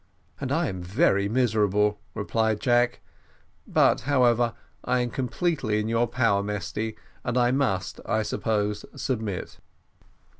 "And I am very miserable," replied Jack; "but, however, I am completely in your power, Mesty, and I must, I suppose, submit."